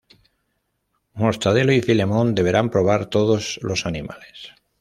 Mortadelo y Filemón deberán probar todos los animales.